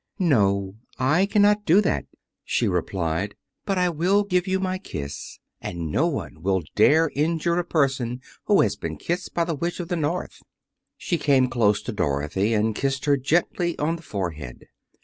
"No, I cannot do that," she replied, "but I will give you my kiss, and no one will dare injure a person who has been kissed by the Witch of the North." She came close to Dorothy and kissed her gently on the forehead.